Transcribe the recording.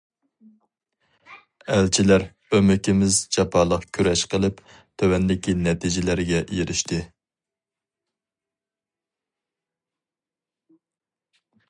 ئەلچىلەر ئۆمىكىمىز جاپالىق كۈرەش قىلىپ، تۆۋەندىكى نەتىجىلەرگە ئېرىشتى.